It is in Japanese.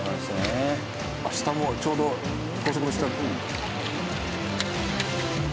下もちょうど高速の下。